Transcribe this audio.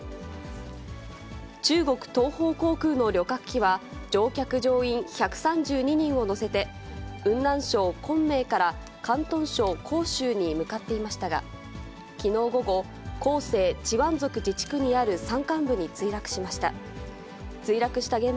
中国東方航空の旅客機は、乗客・乗員１３２人を乗せて、雲南省昆明から広東省広州に向かっていましたが、きのう午後、広西チワン族自治区にある山間部に墜落しました。